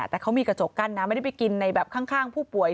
แต่เขามีกระจกกั้นนะไม่ได้ไปกินในแบบข้างผู้ป่วย